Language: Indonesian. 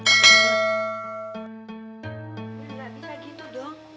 ya gak bisa gitu dong